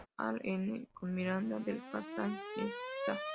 Al N. con Miranda del Castañar; E. Sta.